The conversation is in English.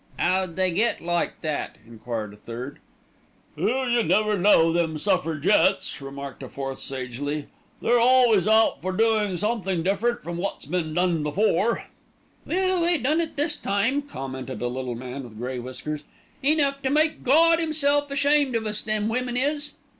"'Ow'd they get like that?" enquired a third. "Oh, you never know them suffragettes," remarked a fourth sagely; "they're always out for doing something different from what's been done before." "Well, they done it this time," commented a little man with grey whiskers. "Enough to make Gawd 'Imself ashamed of us, them women is.